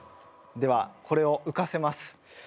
ではこれを浮かせます。